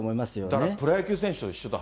だからプロ野球選手と一緒だ。